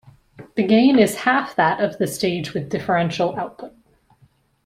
The gain is half that of the stage with differential output.